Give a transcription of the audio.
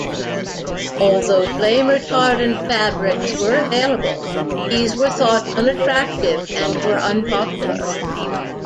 Although flame-retardant fabrics were available, these were thought unattractive and were unpopular.